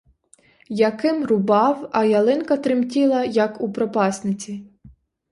Яким рубав, а ялинка тремтіла, як у пропасниці.